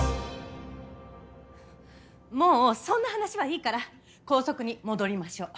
もうそんな話はいいから校則に戻りましょう。